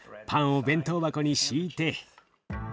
パンを弁当箱に敷いて。